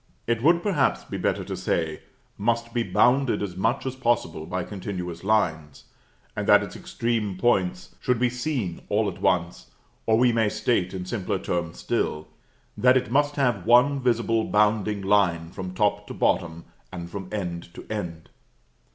It would, perhaps, be better to say, must be bounded as much as possible by continuous lines, and that its extreme points should be seen all at once; or we may state, in simpler terms still, that it must have one visible bounding line from top to bottom, and from end to end.